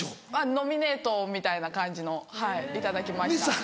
ノミネートみたいな感じの頂きました。